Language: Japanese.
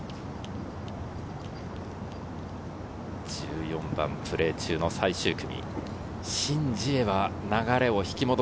１４番、プレー中の最終組。